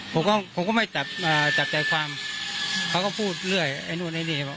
ผมก็ผมก็ไม่จับใจความเขาก็พูดเรื่อยไอ้นู่นไอ้นี่